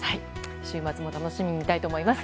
週末も楽しみに見たいと思います。